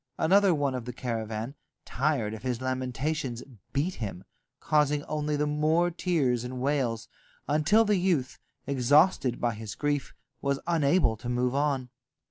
Another one of the caravan, tired of his lamentations, beat him, causing only the more tears and wails, until the youth, exhausted by his grief, was unable to move on.